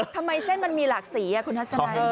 ทำไมเส้นมันมีหลากสีคุณทัศนัย